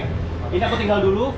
saya tinggal dulu